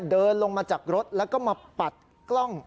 เดินลงมาจากรถแล้วก็มาปัดกล้อง